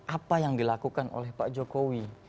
apa yang dilakukan oleh pak jokowi